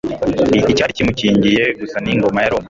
Icyari kimukingiye gusa ni ingoma ya Roma.